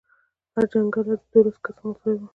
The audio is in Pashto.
هره جنګله کې د دولسو کسانو ځای و.